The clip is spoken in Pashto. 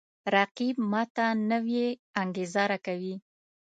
رقیب ما ته نوی انگیزه راکوي